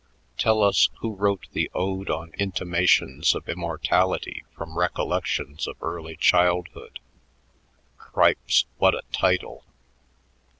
"Tell us who wrote the 'Ode on Intimations of Immortality from Recollections of Early Childhood.' Cripes! what a title!"